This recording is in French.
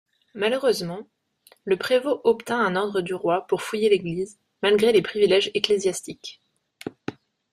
Malheureusement le prévôt obtint un ordre du roi pour fouiller l'église, malgré les priviléges ecclésiastiques.